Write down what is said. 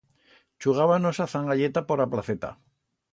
Chugábanos a zangalleta por a placeta.